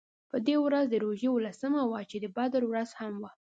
په دې ورځ د روژې اوولسمه وه چې د بدر ورځ هم وه.